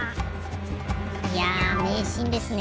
いやめいシーンですね。